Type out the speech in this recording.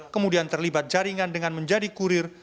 kemudian terlibat jaringan dengan menjadi kurir